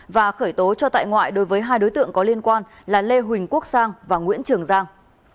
và khởi tố cho tại ngoại đối với hai đối tượng có liên quan là lê huỳnh quốc sang và nguyễn trường giang